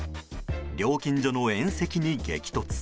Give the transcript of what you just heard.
料金所の縁石に激突。